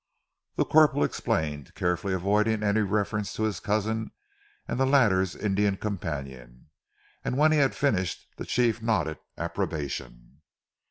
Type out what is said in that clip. The corporal explained, carefully avoiding any reference to his cousin and the latter's Indian companion, and when he had finished, the Chief nodded approbation.